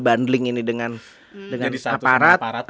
bundling ini dengan aparat